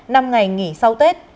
năm ngày nghỉ sau tết